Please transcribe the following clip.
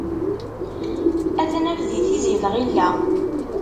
Ad t-naf, di tizi n lɣila.